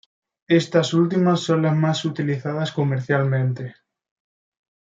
Estas últimas son las más utilizadas comercialmente.